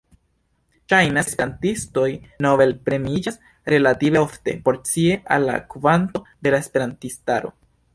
Ŝajnas ke esperantistoj Nobel-premiiĝas relative ofte, proporcie al la kvanto de la esperantistaro.